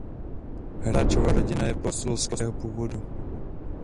Hráčova rodina je polského původu.